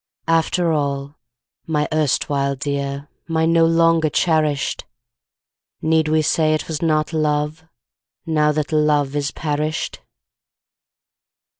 After all, my erstwhile dear, My no longer cherished, Need we say it was not love, Now that love is perished?